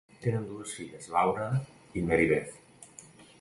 Tenen dues filles, Laura i Mary Beth.